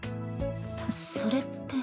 それって。